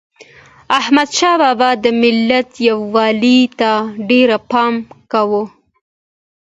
احمدشاه بابا د ملت یووالي ته ډېر پام کاوه.